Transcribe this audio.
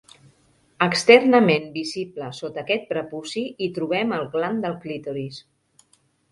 Externament visible sota aquest prepuci hi trobem el gland del clítoris.